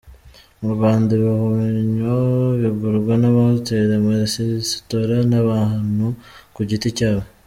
Mu Rwanda ibihumyo bigurwa n’amahoteli, amaresitora n’abantu ku giti cyabo.